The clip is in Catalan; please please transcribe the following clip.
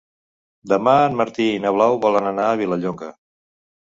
Demà en Martí i na Blau volen anar a Vilallonga.